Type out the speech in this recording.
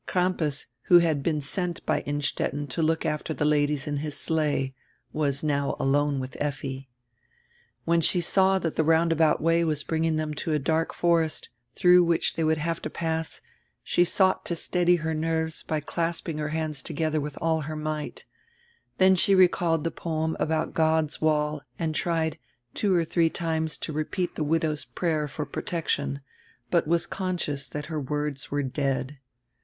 Crampas who had been sent by Inn stetten to look after die ladies in his sleigh, was now alone widi Effi. When she saw diat die roundabout way was bring ing diem to a dark forest, dirough which tiiey would have to pass, she sought to steady her nerves by clasping her hands togedier widi all her might Then she recalled die poem about God's Wall And tried two or diree times to repeat die widow's prayer for protection, but was con scious diat her words were dead.